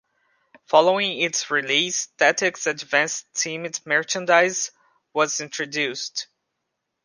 Following its release, "Tactics Advance"-themed merchandise was introduced.